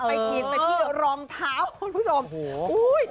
ชินไปที่รองเท้าคุณผู้ชม